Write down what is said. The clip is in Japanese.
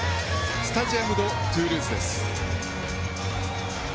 スタジアム・ド・トゥールーズ。